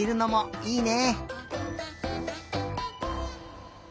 いいね！